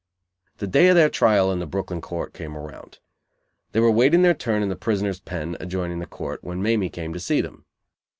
The day of their trial in the Brooklyn Court came around. They were waiting their turn in the prisoner's "pen," adjoining the Court, when Mamie came to see them.